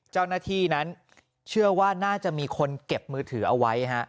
เจ้าหน้าที่นั้นเชื่อว่าน่าจะมีคนเก็บมือถือเอาไว้